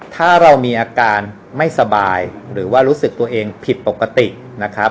ถ้าเรามีอาการไม่สบายหรือว่ารู้สึกตัวเองผิดปกตินะครับ